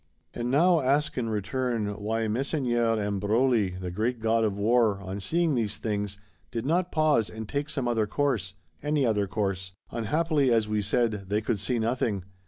And now, ask in return, why Messeigneurs and Broglie the great god of war, on seeing these things, did not pause, and take some other course, any other course? Unhappily, as we said, they could see nothing.